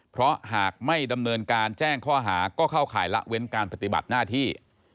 เพราะหากไม่ดำเนินการแจ้งข้อหาก็เข้าข่ายละเว้นการปฏิบัติหน้าที่